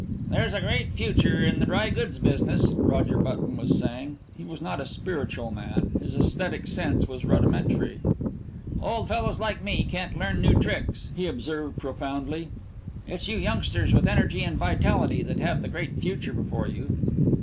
"There's a great future in the dry goods business," Roger Button was saying. He was not a spiritual man his aesthetic sense was rudimentary. "Old fellows like me can't learn new tricks," he observed profoundly. "It's you youngsters with energy and vitality that have the great future before you."